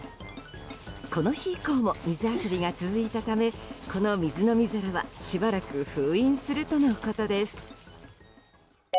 この日以降も水遊びが続いたためこの水飲み皿はしばらく封印するとのことです。